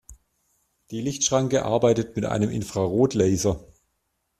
Die Lichtschranke arbeitet mit einem Infrarotlaser.